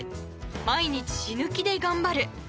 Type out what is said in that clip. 毎日、死ぬ気で頑張る。